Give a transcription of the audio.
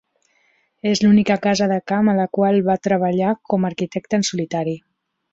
És l'única casa de camp a la qual va treballar com a arquitecte en solitari.